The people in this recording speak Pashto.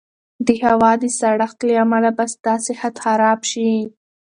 د هوا د سړښت له امله به ستا صحت خراب شي.